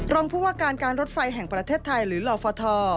รองผู้ว่าการการรถไฟแห่งประเทศไทยหรือลฟท